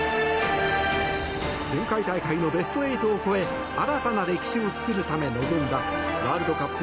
前回大会のベスト８を超え新たな歴史を作るため臨んだワールドカップ